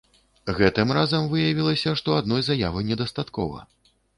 Гэтым разам выявілася, што адной заявы недастаткова.